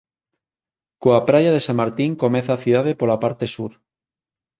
Coa praia de San Martín comeza a cidade pola parte sur.